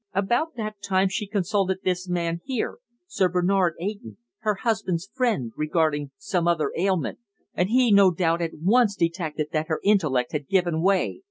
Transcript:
About that time she consulted this man here Sir Bernard Eyton, her husband's friend regarding some other ailment, and he no doubt at once detected that her intellect had given way.